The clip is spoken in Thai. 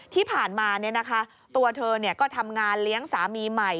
ที่ผ่านมาตัวเธอก็ทำงานเลี้ยงสามีใหม่